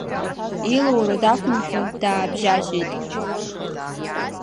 Илура дақәымшәо даабжьа-жьеит.